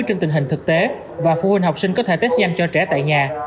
trên tình hình thực tế và phụ huynh học sinh có thể test nhanh cho trẻ tại nhà